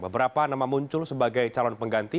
beberapa nama muncul sebagai calon pengganti